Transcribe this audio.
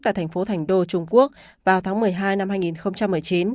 tại thành phố thành đô trung quốc vào tháng một mươi hai năm hai nghìn một mươi chín